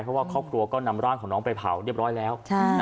เพราะว่าครอบครัวก็นำร่างของน้องไปเผาเรียบร้อยแล้ว